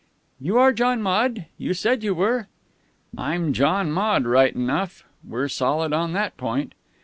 "You are John Maude? You said you were." "I'm John Maude right enough. We're solid on that point."